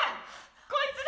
こいつで！